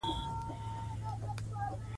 پروژه سیمه پیاوړې کوي.